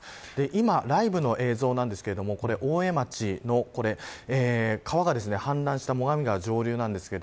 今、ライブの映像ですが大江町の川が氾濫した最上川上流です。